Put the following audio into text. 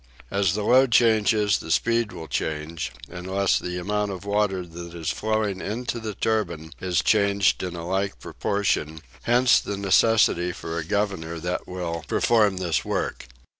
As the load changes, the speed will change, unless the amount of water that is flowing into the turbine is changed in a like proportion; hence the necessity for a governor that will perform this work.